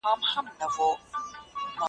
هغه په جګړه کې د خپل پوځ روحیه تل لوړه ساتله.